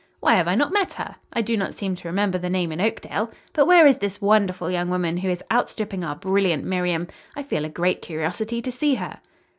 "Why have I not met her? I do not seem to remember the name in Oakdale. But where is this wonderful young woman who is outstripping our brilliant Miriam? I feel a great curiosity to see her."